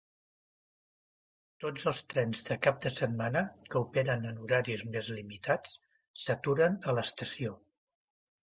Tots els trens de cap de setmana, que operen en horaris més limitats, s'aturen a l'estació.